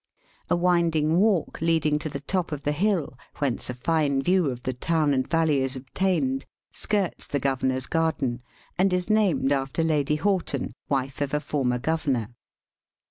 A winding walk leading to the top of the hill, whence a fine view of the town and valley is obtained, skirts the Governor's garden, and is named after Lady Horton, wife of a former governor.